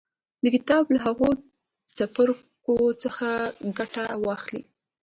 د کتاب له هغو څپرکو څخه ګټه واخلئ